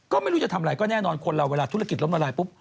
ก็ไม่รู้จะทำอะไรก็แน่นอนคนเราเวลาธุรกิจล้มละลายปุ๊บ